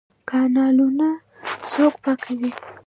کانالونه څوک پاکوي؟